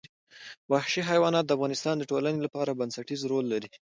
وحشي حیوانات د افغانستان د ټولنې لپاره بنسټيز رول لري.